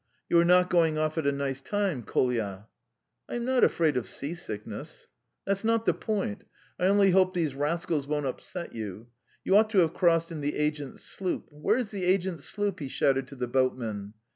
You are not going off at a nice time, Koyla." "I'm not afraid of sea sickness." "That's not the point. ... I only hope these rascals won't upset you. You ought to have crossed in the agent's sloop. Where's the agent's sloop?" he shouted to the boatmen.